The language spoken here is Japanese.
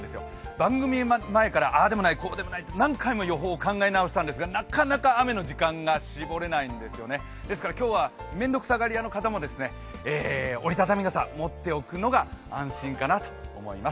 番組前からああでもない、こうでもないと、何回も予報を考え直したんですが、なかなか雨の時間が絞れないんですよね、ですから今日は面倒くさがりの人も折り畳み傘、持っておくのが安心かなと思います。